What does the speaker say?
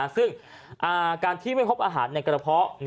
ซึ่งการที่ไม่พบอาหารในกระเพาะ